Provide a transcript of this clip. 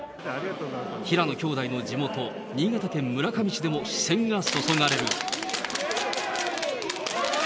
平野きょうだいの地元、新潟県村上市でも視線が注がれる。